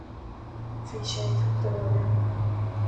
Bhí sé ag teacht abhaile